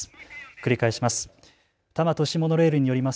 繰り返します。